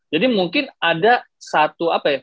jadi mungkin ada satu apa ya